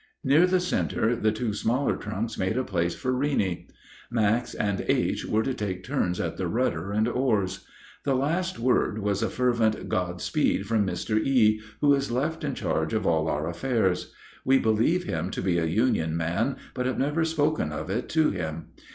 Near the center the two smaller trunks made a place for Reeney. Max and H. were to take turns at the rudder and oars. The last word was a fervent God speed from Mr. E., who is left in charge of all our affairs. We believe him to be a Union man, but have never spoken of it to him.